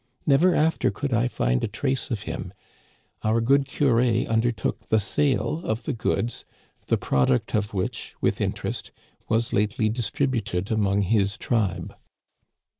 Never after could I find a trace of him. Our good curé undertook the sale of the goods, the product of which, with interest, was lately distributed among his tribe."